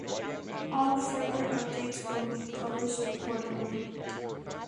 All further updates will be published accordingly.